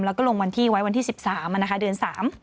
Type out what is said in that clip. แล้วก็ลงวันที่ไว้วันที่๑๓เดือน๓